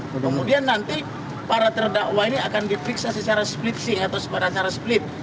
kemudian nanti para terdakwa ini akan diperiksa secara splitsing atau secara split